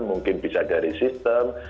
mungkin bisa dari sistem